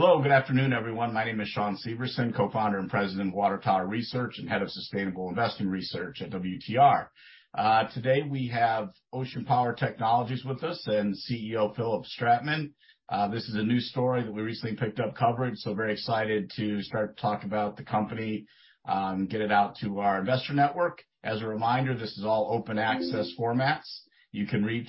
Hello. Good afternoon, everyone. My name is Shawn Severson, Co-Founder and President of Water Tower Research, and Head of Sustainable Investment Research at WTR. Today we have Ocean Power Technologies with us, and CEO Philipp Stratmann. This is a new story that we recently picked up coverage. Very excited to start to talk about the company, get it out to our investor network. As a reminder, this is all open access formats. You can read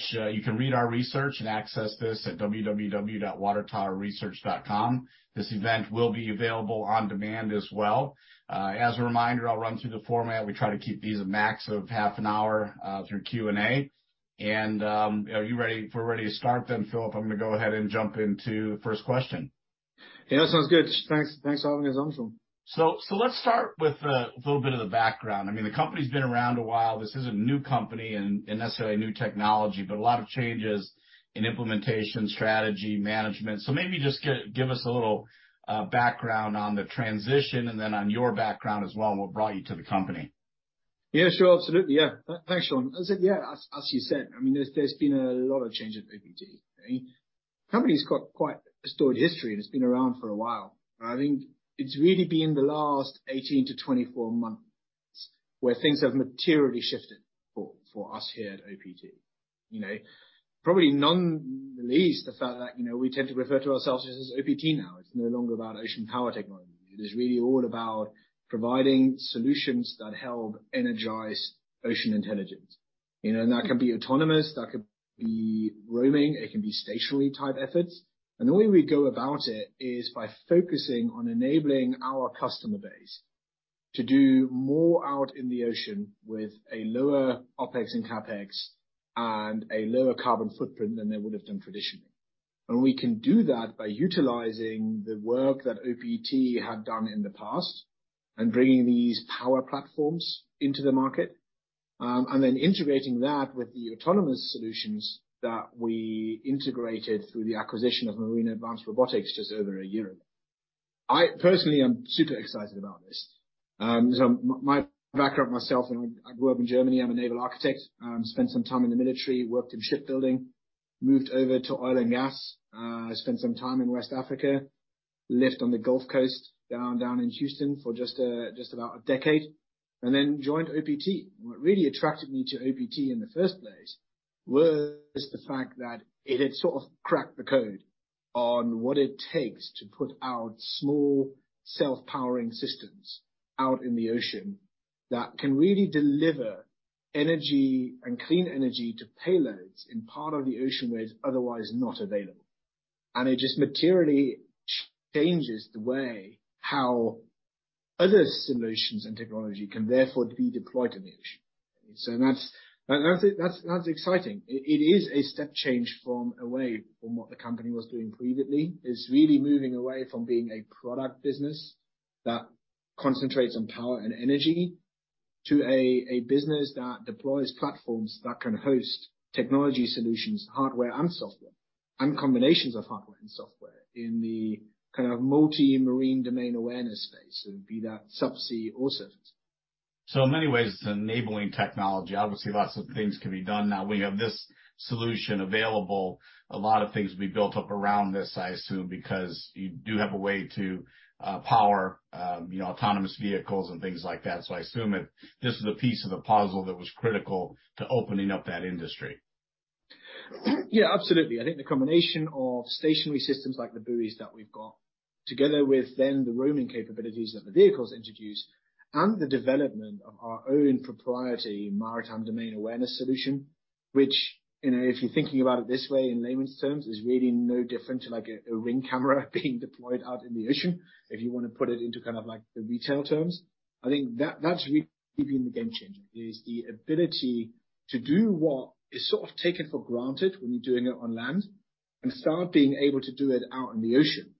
our research and access this at www.watertowerresearch.com. This event will be available on demand as well. As a reminder, I'll run through the format. We try to keep these a max of half an hour through Q&A. Are you ready? If we're ready to start, Philipp, I'm gonna go ahead and jump into the first question. Yeah, that sounds good. Thanks for having us on, Shawn. Let's start with a little bit of the background. I mean, the company's been around a while. This isn't a new company and necessarily a new technology, but a lot of changes in implementation, strategy, management. Maybe just give us a little background on the transition and then on your background as well and what brought you to the company. Yeah, sure. Absolutely. Yeah. Thanks, Shawn. As you said, I mean, there's been a lot of change at OPT. I mean, company's got quite a storied history, and it's been around for a while. I think it's really been the last 18-24 months where things have materially shifted for us here at OPT. You know, probably none the least the fact that, you know, we tend to refer to ourselves just as OPT now. It's no longer about Ocean Power Technologies. It is really all about providing solutions that help energize ocean intelligence. You know, that can be autonomous, that could be roaming, it can be stationary type efforts. The way we go about it is by focusing on enabling our customer base to do more out in the ocean with a lower OpEx and CapEx and a lower carbon footprint than they would have done traditionally. We can do that by utilizing the work that OPT had done in the past and bringing these power platforms into the market, and then integrating that with the autonomous solutions that we integrated through the acquisition of Marine Advanced Robotics just over one year ago. I personally am super excited about this. My background myself, I grew up in Germany. I'm a naval architect. Spent some time in the military, worked in shipbuilding, moved over to oil and gas. I spent some time in West Africa, lived on the Gulf Coast, down in Houston for just about a decade, and then joined OPT. What really attracted me to OPT in the first place was the fact that it had sort of cracked the code on what it takes to put out small self-powering systems out in the ocean that can really deliver energy and clean energy to payloads in part of the ocean where it's otherwise not available. It just materially changes the way how other solutions and technology can therefore be deployed in the ocean. That's, that's, that's exciting. It is a step change from a way from what the company was doing previously. It's really moving away from being a product business that concentrates on power and energy to a business that deploys platforms that can host technology solutions, hardware and software, and combinations of hardware and software in the kind of multi-maritime domain awareness space, it would be that subsea or surface. In many ways, it's enabling technology. Obviously, lots of things can be done now. We have this solution available. A lot of things will be built up around this, I assume, because you do have a way to power, you know, autonomous vehicles and things like that. I assume. This is a piece of the puzzle that was critical to opening up that industry. Yeah, absolutely. I think that's really been the game changer, is the ability to do what is sort of taken for granted when you're doing it on land and start being able to do it out in the ocean,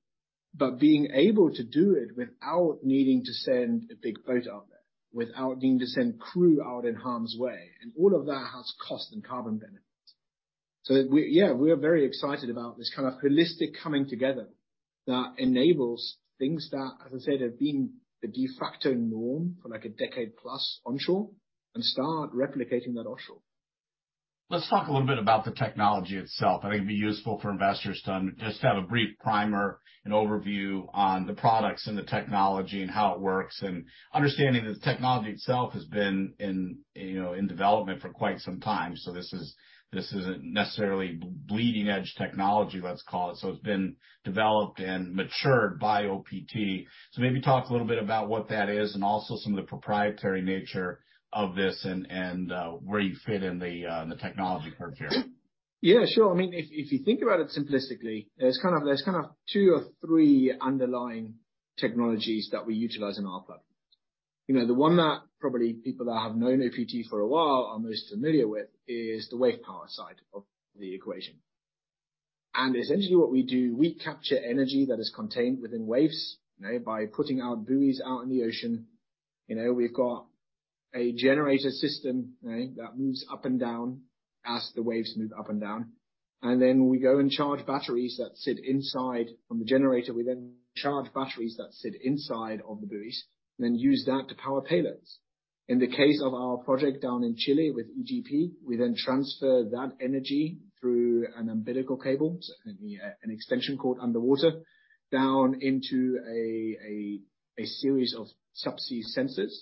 but being able to do it without needing to send a big boat out there, without needing to send crew out in harm's way. All of that has cost and carbon benefits. We... We are very excited about this kind of holistic coming together that enables things that, as I said, have been the de facto norm for like a decade plus onshore and start replicating that offshore. Let's talk a little bit about the technology itself. I think it'd be useful for investors to, just have a brief primer and overview on the products and the technology and how it works, and understanding that the technology itself has been in, you know, in development for quite some time. This is, this isn't necessarily bleeding edge technology, let's call it. It's been developed and matured by OPT. Maybe talk a little bit about what that is and also some of the proprietary nature of this and, where you fit in the technology curve here. Yeah, sure. I mean, if you think about it simplistically, there's kind of two or three underlying technologies that we utilize in our platforms. You know, the one that probably people that have known OPT for a while are most familiar with is the wave power side of the equation. Essentially what we do, we capture energy that is contained within waves, you know, by putting our buoys out in the ocean. You know, we've got a generator system, right, that moves up and down as the waves move up and down. Then we go and charge batteries that sit inside. From the generator, we then charge batteries that sit inside of the buoys and then use that to power payloads. In the case of our project down in Chile with EGP, we then transfer that energy through an umbilical cable, so an extension cord underwater, down into a series of subsea sensors.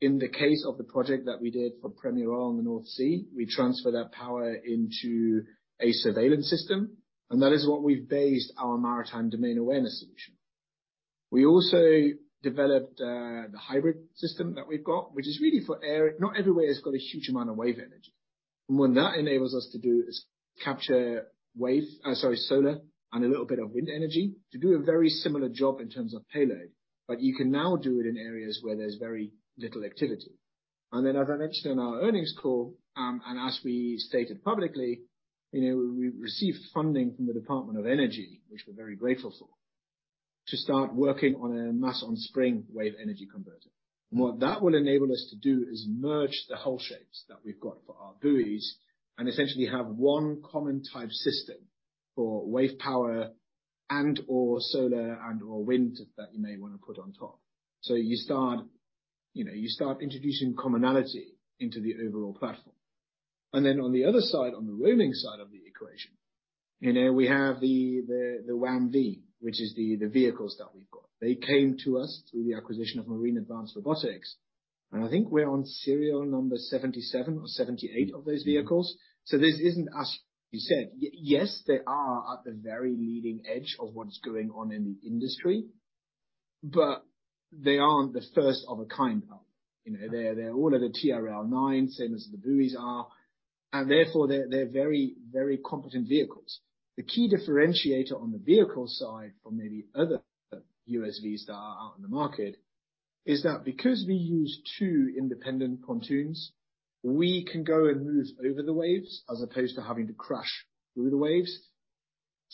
In the case of the project that we did for Premier Oil in the North Sea, we transfer that power into a surveillance system, and that is what we've based our maritime domain awareness solution. We also developed the hybrid system that we've got, which is really for air. Not everywhere has got a huge amount of wave energy. What that enables us to do is capture wave, sorry, solar and a little bit of wind energy to do a very similar job in terms of payload, but you can now do it in areas where there's very little activity. Then, as I mentioned in our earnings call, and as we stated publicly, you know, we received funding from the Department of Energy, which we're very grateful for, to start working on a Mass-on-Spring Wave Energy Converter. What that will enable us to do is merge the hull shapes that we've got for our buoys and essentially have one common type system for wave power and/or solar and/or wind that you may wanna put on top. You start, you know, you start introducing commonality into the overall platform. On the other side, on the roaming side of the equation, you know, we have the WAM-V, which is the vehicles that we've got. They came to us through the acquisition of Marine Advanced Robotics, and I think we're on serial number 77 or 78 of those vehicles. This isn't, as you said. Yes, they are at the very leading edge of what is going on in the industry, but they aren't the first of a kind out. You know, they're all at a TRL 9, same as the buoys are, and therefore, they're very, very competent vehicles. The key differentiator on the vehicle side from maybe other USVs that are out in the market is that because we use two independent pontoons, we can go and move over the waves as opposed to having to crash through the waves.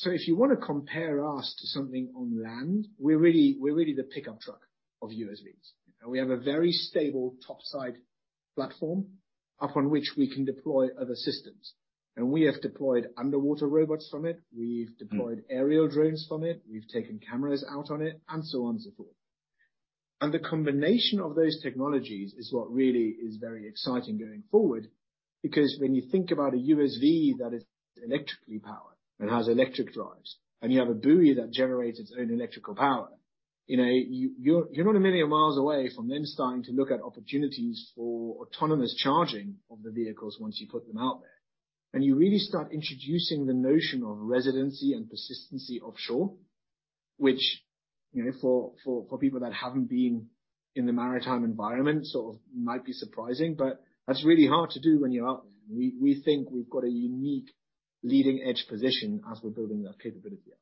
If you wanna compare us to something on land, we're really the pickup truck of USVs. We have a very stable top side platform upon which we can deploy other systems. We have deployed underwater robots from it. We've deployed aerial drones from it. We've taken cameras out on it and so on and so forth. The combination of those technologies is what really is very exciting going forward because when you think about a USV that is electrically powered and has electric drives, and you have a buoy that generates its own electrical power, you know, you're not a million miles away from then starting to look at opportunities for autonomous charging of the vehicles once you put them out there. You really start introducing the notion of residency and persistency offshore, which, you know, for people that haven't been in the maritime environment sort of might be surprising, but that's really hard to do when you're out there. We think we've got a unique leading edge position as we're building that capability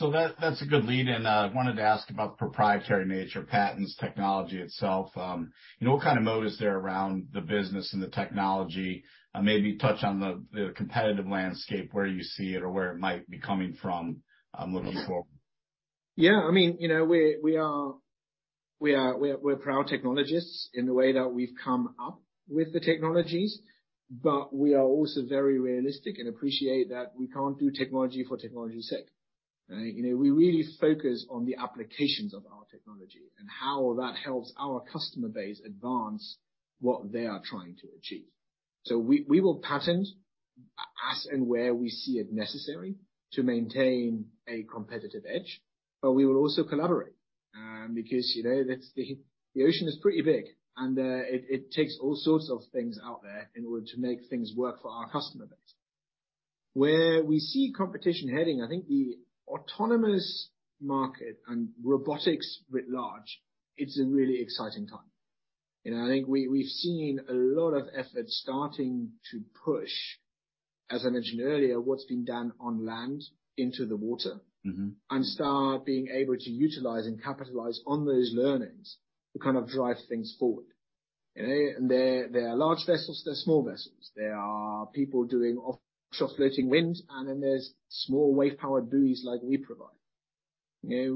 out. That's a good lead, wanted to ask about proprietary nature, patents, technology itself. You know, what kind of moat is there around the business and the technology? Maybe touch on the competitive landscape, where you see it or where it might be coming from, looking forward. Yeah. I mean, you know, we are, we're proud technologists in the way that we've come up with the technologies, but we are also very realistic and appreciate that we can't do technology for technology's sake, right? You know, we really focus on the applications of our technology and how that helps our customer base advance what they are trying to achieve. We will patent as and where we see it necessary to maintain a competitive edge, but we will also collaborate, because, you know, that's the. The ocean is pretty big and it takes all sorts of things out there in order to make things work for our customer base. Where we see competition heading, I think the autonomous market and robotics writ large, it's a really exciting time. You know, I think we've seen a lot of effort starting to push, as I mentioned earlier, what's been done on land into the water. Mm-hmm. Start being able to utilize and capitalize on those learnings to kind of drive things forward. You know, there are large vessels, there are small vessels, there are people doing offshore floating winds, and then there's small wave power buoys like we provide. You know,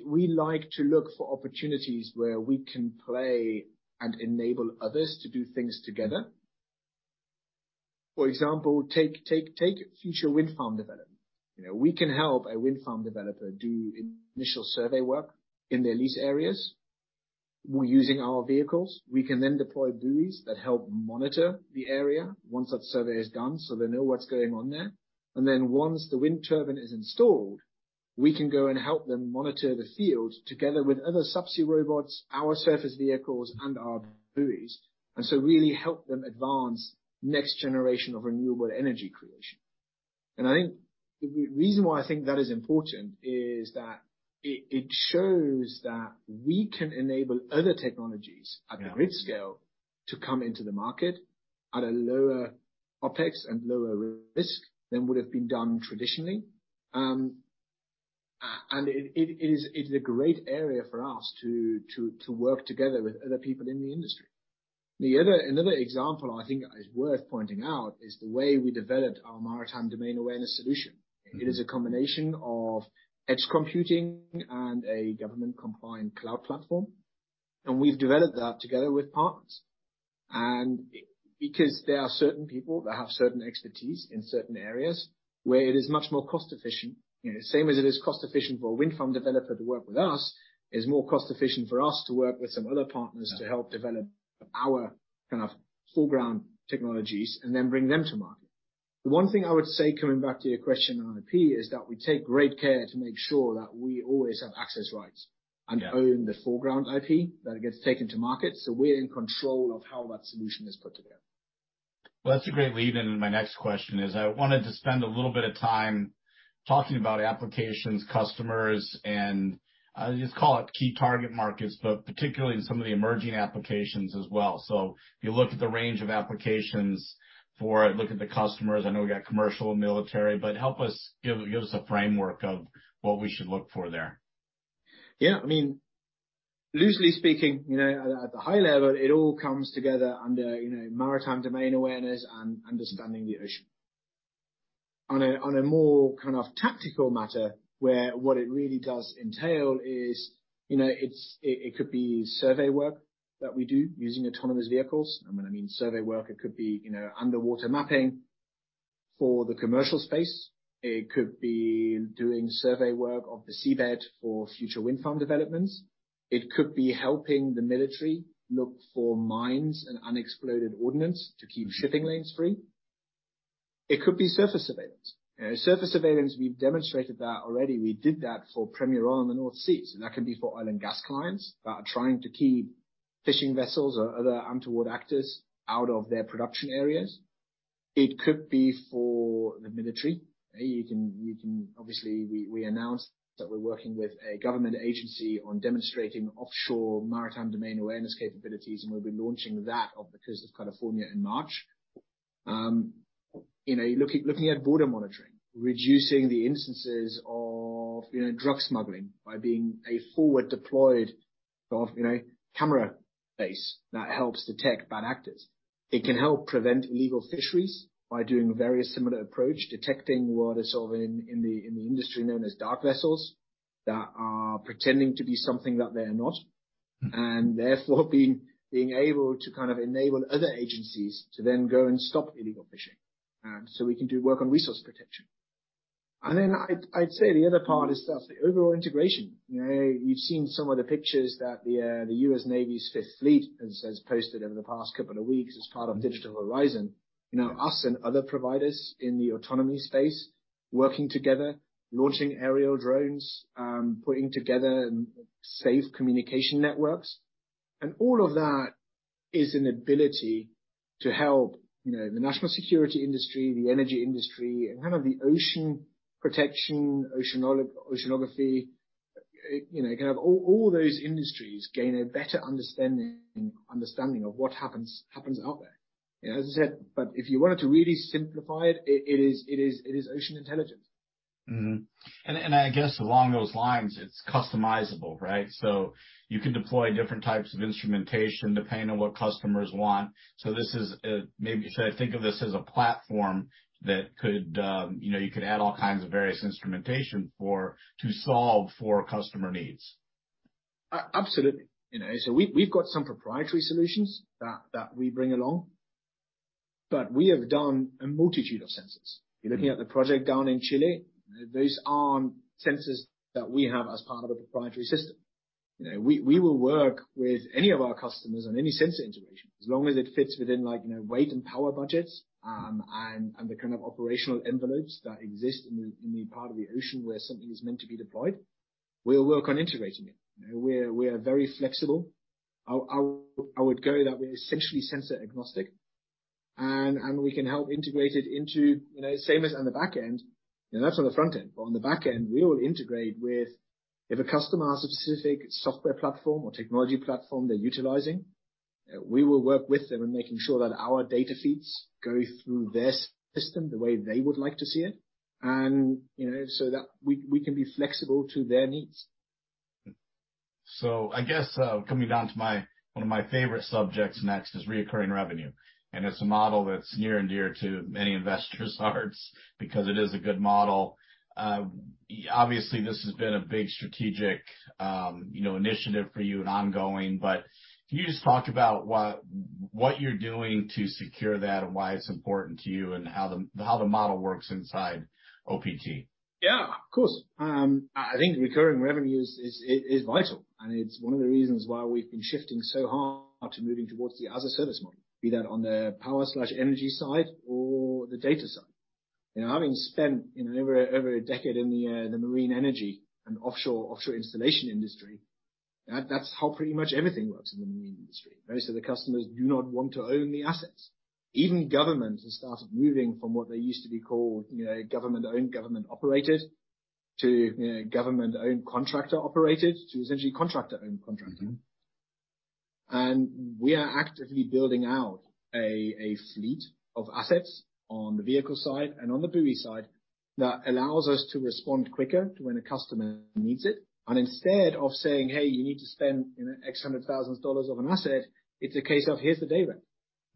we like to look for opportunities where we can play and enable others to do things together. For example, take future wind farm development. You know, we can help a wind farm developer do initial survey work in their lease areas. We're using our vehicles. We can then deploy buoys that help monitor the area once that survey is done, so they know what's going on there. Once the wind turbine is installed, we can go and help them monitor the field together with other subsea robots, our surface vehicles, and our buoys, and so really help them advance next generation of renewable energy creation. I think the reason why I think that is important is that it shows that we can enable other technologies at grid scale to come into the market at a lower OpEx and lower risk than would have been done traditionally. It's a great area for us to work together with other people in the industry. Another example I think is worth pointing out is the way we developed our maritime domain awareness solution. It is a combination of edge computing and a government-compliant cloud platform, and we've developed that together with partners. Because there are certain people that have certain expertise in certain areas where it is much more cost efficient, same as it is cost efficient for a wind farm developer to work with us, it's more cost efficient for us to work with some other partners to help develop our kind of foreground technologies and then bring them to market. The one thing I would say, coming back to your question on IP, is that we take great care to make sure that we always have access rights. Yeah. Own the foreground IP that gets taken to market, so we're in control of how that solution is put together. That's a great lead-in to my next question, is I wanted to spend a little bit of time talking about applications, customers, and I'll just call it key target markets, but particularly in some of the emerging applications as well. If you look at the range of applications for it, look at the customers. I know we got commercial and military, but help us give us a framework of what we should look for there. Yeah, I mean, loosely speaking, you know, at the high level, it all comes together under, you know, maritime domain awareness and understanding the ocean. On a more kind of tactical matter, where what it really does entail is, you know, it could be survey work that we do using autonomous vehicles. When I mean survey work, it could be, you know, underwater mapping for the commercial space. It could be doing survey work of the seabed for future wind farm developments. It could be helping the military look for mines and unexploded ordnance to keep shipping lanes free. It could be surface surveillance. You know, surface surveillance, we've demonstrated that already. We did that for Premier Oil in the North Sea. That can be for oil and gas clients that are trying to keep fishing vessels or other untoward actors out of their production areas. It could be for the military. Obviously, we announced that we're working with a government agency on demonstrating offshore maritime domain awareness capabilities, and we'll be launching that off the coast of California in March. You know, looking at border monitoring, reducing the instances of drug smuggling by being a forward deployed camera base that helps detect bad actors. It can help prevent illegal fisheries by doing a very similar approach, detecting what is sort of in the industry known as dark vessels that are pretending to be something that they're not, and therefore being able to kind of enable other agencies to then go and stop illegal fishing. We can do work on resource protection. I'd say the other part is just the overall integration. You know, you've seen some of the pictures that the U.S. Navy's 5th Fleet has posted over the past couple of weeks as part of Digital Horizon. You know, us and other providers in the autonomy space working together, launching aerial drones, putting together safe communication networks. All of that is an ability to help, you know, the national security industry, the energy industry and kind of the ocean protection, oceanography, you know, kind of all those industries gain a better understanding of what happens out there. As I said, if you wanted to really simplify it is ocean intelligence. Mm-hmm. I guess along those lines, it's customizable, right? You can deploy different types of instrumentation depending on what customers want. This is, maybe should I think of this as a platform that could, you know, you could add all kinds of various instrumentation for, to solve for customer needs. Absolutely. You know, we've got some proprietary solutions that we bring along, but we have done a multitude of sensors. You're looking at the project down in Chile. Those aren't sensors that we have as part of a proprietary system. You know, we will work with any of our customers on any sensor integration as long as it fits within, like, you know, weight and power budgets, and the kind of operational envelopes that exist in the part of the ocean where something is meant to be deployed. We'll work on integrating it. We're very flexible. I would go that we're essentially sensor agnostic, and we can help integrate it into, you know, same as on the back end. You know, that's on the front end. On the back end, we will integrate with, if a customer has a specific software platform or technology platform they're utilizing, we will work with them in making sure that our data feeds go through their system the way they would like to see it, and, you know, so that we can be flexible to their needs. I guess, coming down to my one of my favorite subjects next is recurring revenue, and it's a model that's near and dear to many investors' hearts because it is a good model. Obviously, this has been a big strategic, you know, initiative for you and ongoing. Can you just talk about what you're doing to secure that and why it's important to you and how the model works inside OPT? Of course. I think recurring revenue is vital, and it's one of the reasons why we've been shifting so hard to moving towards the as a service model, be that on the power/energy side or the data side. You know, having spent over a decade in the marine energy and offshore installation industry, that's how pretty much everything works in the marine industry. Most of the customers do not want to own the assets. Even governments have started moving from what they used to be called, you know, government-owned, government-operated to government-owned, contractor-operated to essentially contractor-owned, contractor-operated. Mm-hmm. We are actively building out a fleet of assets on the vehicle side and on the buoy side that allows us to respond quicker to when a customer needs it. Instead of saying, "Hey, you need to spend $X hundred thousands dollars of an asset," it's a case of, "Here's the day rate.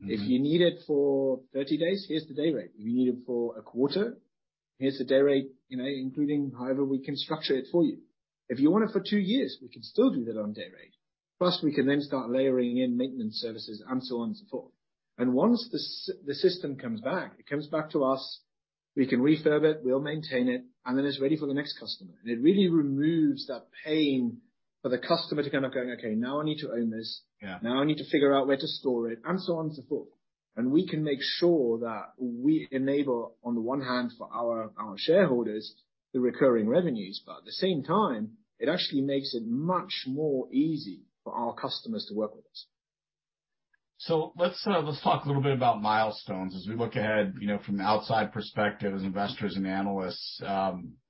Mm-hmm. If you need it for 30 days, here's the day rate. If you need it for a quarter. Here's the day rate, you know, including however we can structure it for you. If you want it for two years, we can still do that on day rate. Plus, we can then start layering in maintenance services and so on and so forth. Once the system comes back, it comes back to us, we can refurb it, we'll maintain it, and then it's ready for the next customer. It really removes that pain for the customer to kind of going, "Okay, now I need to own this. Yeah. Now I need to figure out where to store it," and so on and so forth. We can make sure that we enable, on the one hand for our shareholders, the recurring revenues, but at the same time, it actually makes it much more easy for our customers to work with us. Let's talk a little bit about milestones as we look ahead, you know, from the outside perspective as investors and analysts,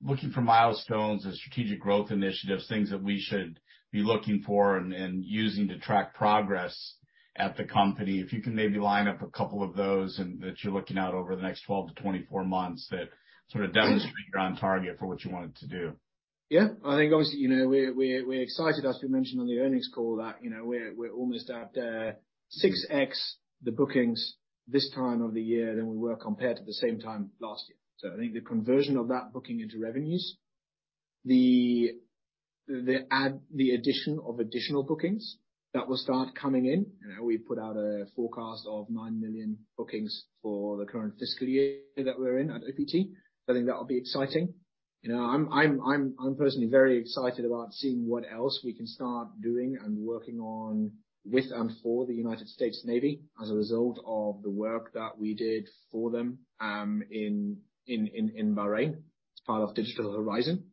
looking for milestones as strategic growth initiatives, things that we should be looking for and using to track progress at the company. If you can maybe line up a couple of those that you're looking out over the next 12-24 months that sort of demonstrate you're on target for what you wanted to do. I think obviously, you know, we're excited, as we mentioned on the earnings call, that, you know, we're almost at 6x the bookings this time of the year than we were compared to the same time last year. I think the conversion of that booking into revenues, the addition of additional bookings that will start coming in. You know, we put out a forecast of $9 million bookings for the current fiscal year that we're in at OPT. I think that'll be exciting. You know, I'm personally very excited about seeing what else we can start doing and working on with and for the United States Navy as a result of the work that we did for them in Bahrain as part of Digital Horizon.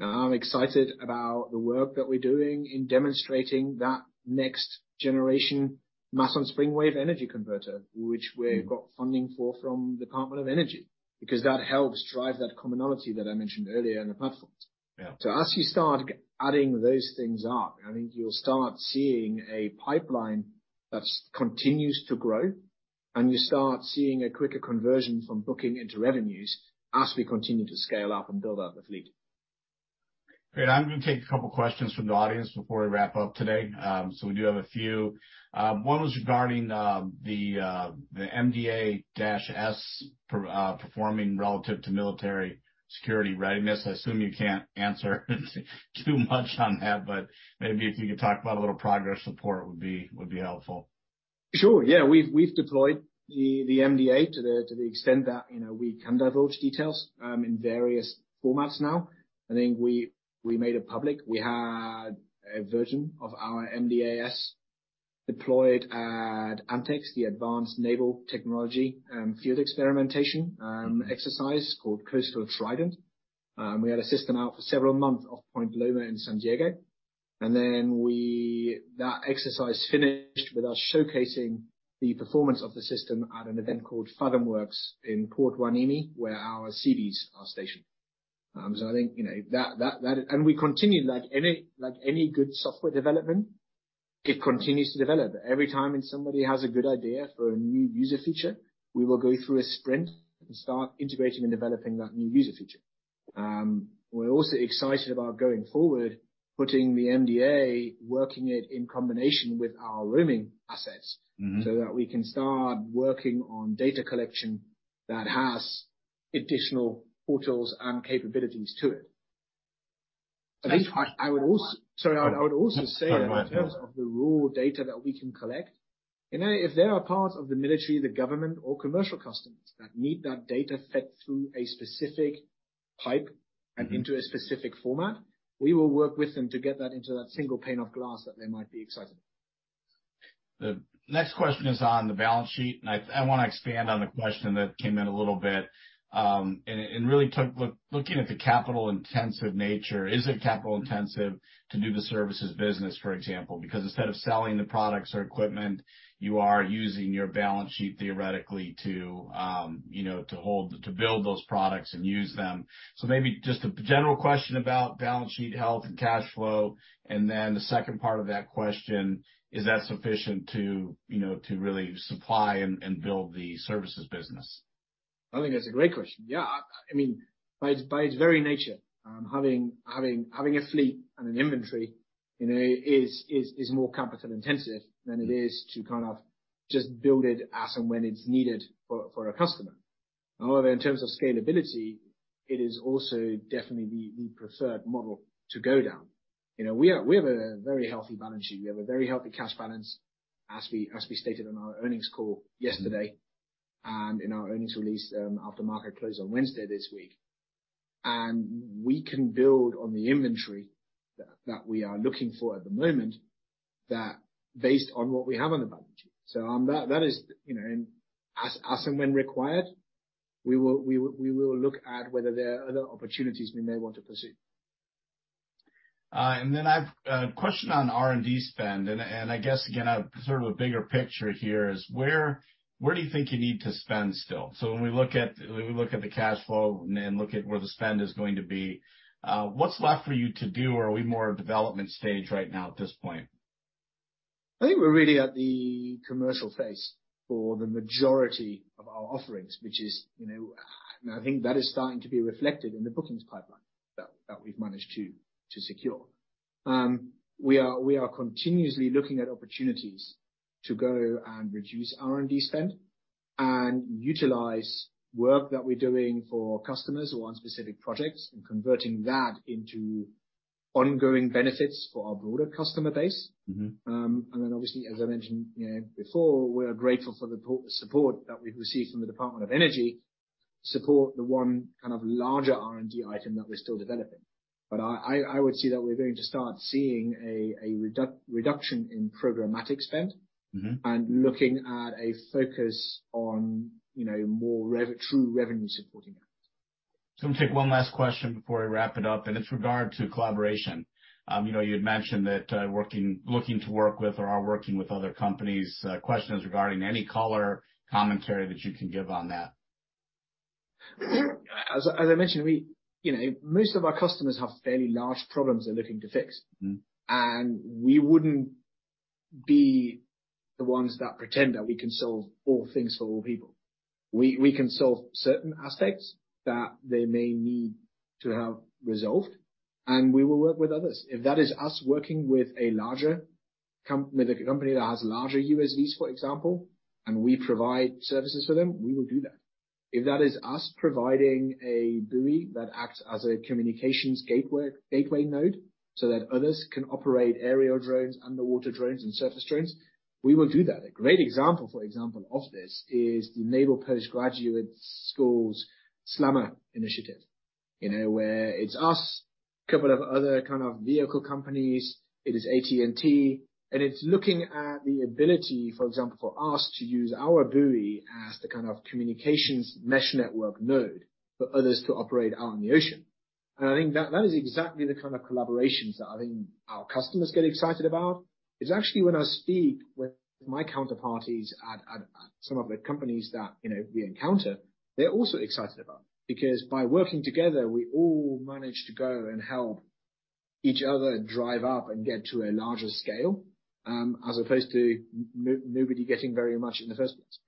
I'm excited about the work that we're doing in demonstrating that next generation Mass-on-Spring Wave Energy Converter, which we've got funding for from Department of Energy, because that helps drive that commonality that I mentioned earlier in the platforms. Yeah. As you start adding those things up, I think you'll start seeing a pipeline that's continues to grow, and you start seeing a quicker conversion from booking into revenues as we continue to scale up and build out the fleet. Great. I'm gonna take a couple questions from the audience before we wrap up today. We do have a few. One was regarding the MDA-S performing relative to military security readiness. I assume you can't answer too much on that, but maybe if you could talk about a little progress report would be helpful. Sure. Yeah. We've, we've deployed the MDA to the extent that, you know, we can divulge details in various formats now. I think we made it public. We had a version of our MDA-S deployed at ANTX, the Advanced Naval Technology Field Experimentation exercise called Coastal Trident. We had a system out for several months off Point Loma in San Diego, and then that exercise finished with us showcasing the performance of the system at an event called Fathomwerx in Port Hueneme, where our USVs are stationed. I think, you know, we continue, like any good software development, it continues to develop. Every time when somebody has a good idea for a new user feature, we will go through a sprint and start integrating and developing that new user feature. We're also excited about going forward, putting the MDA, working it in combination with our roaming assets. Mm-hmm... that we can start working on data collection that has additional portals and capabilities to it. Sorry. I would also say that in terms of the raw data that we can collect, you know, if there are parts of the military, the government, or commercial customers that need that data fed through a specific pipe and into a specific format, we will work with them to get that into that single pane of glass that they might be excited. The next question is on the balance sheet. I wanna expand on the question that came in a little bit, and really looking at the capital-intensive nature. Is it capital-intensive to do the services business, for example? Because instead of selling the products or equipment, you are using your balance sheet theoretically to, you know, to hold, to build those products and use them. Maybe just a general question about balance sheet health and cash flow, and then the second part of that question, is that sufficient to, you know, to really supply and build the services business? I think that's a great question. Yeah. I mean, by its very nature, having a fleet and an inventory, you know, is more capital intensive than it is to kind of just build it as and when it's needed for a customer. However, in terms of scalability, it is also definitely the preferred model to go down. You know, we have a very healthy balance sheet. We have a very healthy cash balance as we stated on our earnings call yesterday and in our earnings release, after market close on Wednesday this week. We can build on the inventory that we are looking for at the moment that based on what we have on the balance sheet. On that is, you know, and as and when required, we will look at whether there are other opportunities we may want to pursue. I've a question on R&D spend, I guess again, a sort of a bigger picture here is where do you think you need to spend still? When we look at, when we look at the cash flow and then look at where the spend is going to be, what's left for you to do or are we more development stage right now at this point? I think we're really at the commercial phase for the majority of our offerings, which is, you know, and I think that is starting to be reflected in the bookings pipeline that we've managed to secure. We are continuously looking at opportunities to go and reduce R&D spend and utilize work that we're doing for customers who are on specific projects and converting that into ongoing benefits for our broader customer base. Mm-hmm. Obviously, as I mentioned, you know, before, we're grateful for the support that we've received from the Department of Energy, support the one kind of larger R&D item that we're still developing. I would say that we're going to start seeing a reduction in programmatic spend. Mm-hmm Looking at a focus on, you know, more true revenue-supporting items. I'm gonna take one last question before we wrap it up, and it's regard to collaboration. you know, you had mentioned that, looking to work with or are working with other companies. Question is regarding any color, commentary that you can give on that. As I mentioned, we, you know, most of our customers have fairly large problems they're looking to fix. Mm-hmm. We wouldn't be the ones that pretend that we can solve all things for all people. We can solve certain aspects that they may need to have resolved, and we will work with others. If that is us working with a larger company that has larger USVs, for example, and we provide services for them, we will do that. If that is us providing a buoy that acts as a communications gateway node so that others can operate aerial drones, underwater drones, and surface drones, we will do that. A great example of this is the Naval Postgraduate School's SLAMR initiative. You know, where it's us, couple of other kind of vehicle companies, it is AT&T, and it's looking at the ability, for example, for us to use our buoy as the kind of communications mesh network node for others to operate out in the ocean. I think that is exactly the kind of collaborations that I think our customers get excited about. It's actually when I speak with my counterparties at some of the companies that, you know, we encounter, they're also excited about. By working together, we all manage to go and help each other drive up and get to a larger scale, as opposed to nobody getting very much in the first place.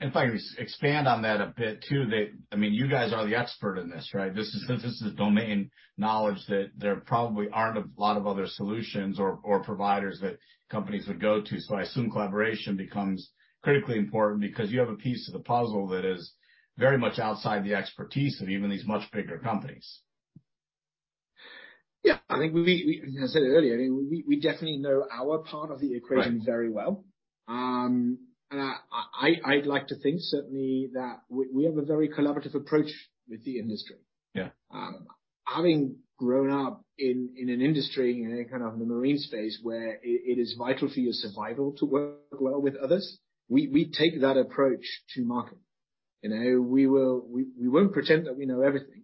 If I could just expand on that a bit too, that, I mean, you guys are the expert in this, right? This is domain knowledge that there probably aren't a lot of other solutions or providers that companies would go to. I assume collaboration becomes critically important because you have a piece of the puzzle that is very much outside the expertise of even these much bigger companies. Yeah. I think we... As I said earlier, I mean, we definitely know our part of the equation... Right... very well. I'd like to think certainly that we have a very collaborative approach with the industry. Yeah. Having grown up in an industry, you know, kind of in the marine space where it is vital for your survival to work well with others, we take that approach to market. You know. We won't pretend that we know everything.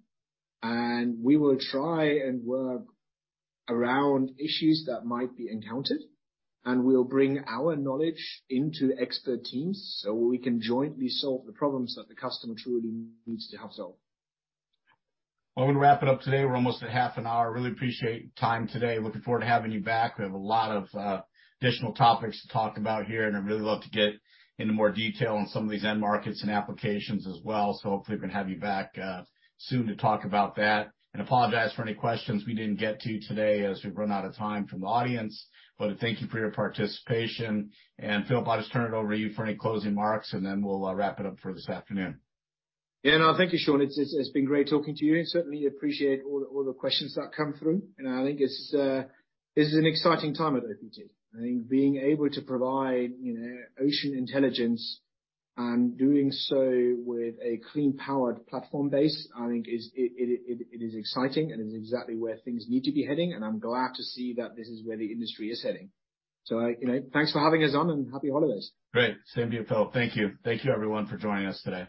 We will try and work around issues that might be encountered. We'll bring our knowledge into expert teams. We can jointly solve the problems that the customer truly needs to have solved. Well, I'm gonna wrap it up today. We're almost at half an hour. Really appreciate your time today. Looking forward to having you back. We have a lot of additional topics to talk about here, and I'd really love to get into more detail on some of these end markets and applications as well. Hopefully we can have you back soon to talk about that. Apologize for any questions we didn't get to today as we've run out of time from the audience. Thank you for your participation. Phil, if I just turn it over to you for any closing remarks, and then we'll wrap it up for this afternoon. Yeah, no, thank you, Shawn. It's, it's been great talking to you, and certainly appreciate all the, all the questions that come through. I think it's, this is an exciting time at OPT. I think being able to provide, you know, ocean intelligence and doing so with a clean powered platform base, it is exciting and is exactly where things need to be heading. I'm glad to see that this is where the industry is heading. You know, thanks for having us on, and happy holidays. Great. Same to you, Phil. Thank you. Thank you everyone for joining us today.